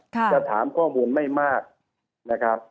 จะถามข้อมูลไม่มากนะครับ